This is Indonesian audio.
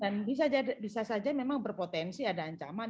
dan bisa saja memang berpotensi ada ancaman